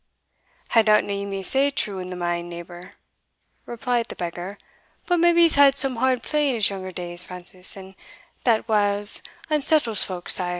"I doubtna ye may say true in the main, neighbour," replied the beggar; "but maybe he's had some hard play in his younger days, Francis, and that whiles unsettles folk sair."